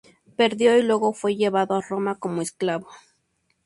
Perdió y luego fue llevado a Roma como esclavo.